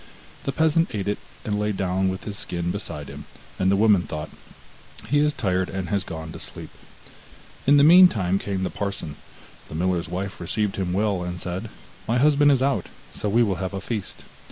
The peasant ate it, and lay down with his skin beside him, and the woman thought: 'He is tired and has gone to sleep.' In the meantime came the parson; the miller's wife received him well, and said: 'My husband is out, so we will have a feast.